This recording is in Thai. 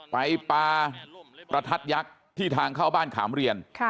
ไปปลาประทัดยักษ์ที่ทางเข้าบ้านขามเรียน